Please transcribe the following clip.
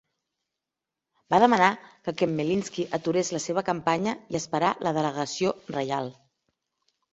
Va demanar que Khmelnitski aturés la seva campanya i esperar la delegació reial.